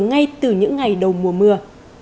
ngay từ những ngày đầu mùa mưa